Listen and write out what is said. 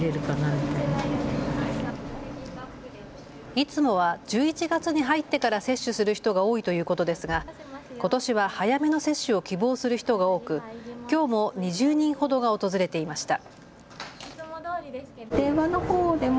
いつもは１１月に入ってから接種する人が多いということですが、ことしは早めの接種を希望する人が多くきょうも２０人ほどが訪れていました。